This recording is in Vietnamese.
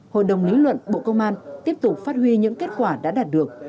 hội đồng lý luận bộ công an tiếp tục phát huy những kết quả đã đạt được